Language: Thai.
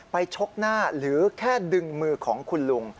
ชกหน้าหรือแค่ดึงมือของคุณลุง